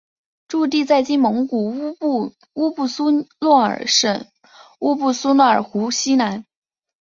驻地在今蒙古国乌布苏诺尔省乌布苏诺尔湖西南。